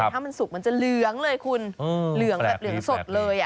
ถ้ามันสุกมันจะเหลืองเลยคุณเหลืองแบบเหลืองสดเลย